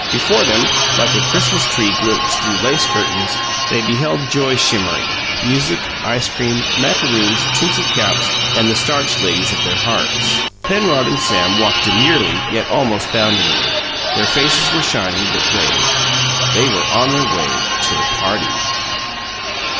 Before them, like a Christmas tree glimpsed through lace curtains, they beheld joy shimmering music, ice cream, macaroons, tinsel caps, and the starched ladies of their hearts Penrod and Sam walked demurely yet almost boundingly; their faces were shining but grave they were on their way to the Party!